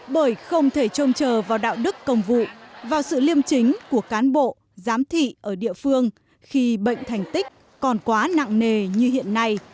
bởi không thể trông chờ vào đạo đức công vụ vào sự liêm chính của cán bộ giám thị ở địa phương khi bệnh thành tích còn quá nặng nề như hiện nay